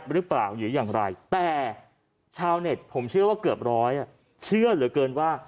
หรือเปล่าหรืออย่างไรแต่ชาวเน็ตผมเชื่อว่าเกือบร้อยเชื่อเหลือเกินว่า